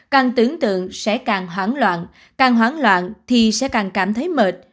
càng tưởng tượng sẽ càng hoảng loạn càng hoán loạn thì sẽ càng cảm thấy mệt